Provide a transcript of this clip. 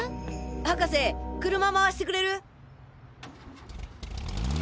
博士車まわしてくれる？